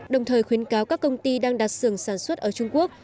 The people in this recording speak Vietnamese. đồng thời khuyến cáo các công ty đang đặt sường sản xuất ở trung quốc